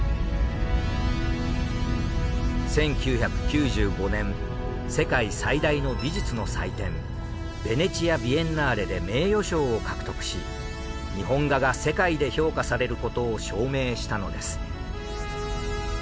１９９５年世界最大の美術の祭典ヴェネチア・ビエンナーレで名誉賞を獲得し日本画が世界で評価されることを証明したのです。